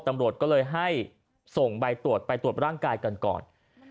ตำรวจก็เลยให้ส่งใบตรวจไปตรวจร่างกายก่อน